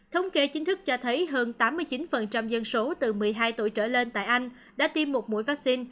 thống kê chính thức cho thấy hơn tám mươi chín dân số từ một mươi hai tuổi trở lên tại anh đã tiêm một mũi vaccine